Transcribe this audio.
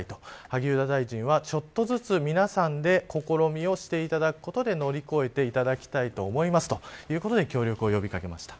萩生田大臣はちょっとずつ皆さんで試みをしていただくことで乗り越えていただきたいと思いますということで協力を呼び掛けました。